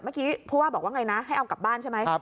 ผู้ว่าบอกว่าไงนะให้เอากลับบ้านใช่ไหม